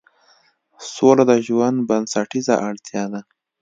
سوله د ژوند بنسټیزه اړتیا ده